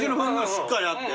しっかりあって。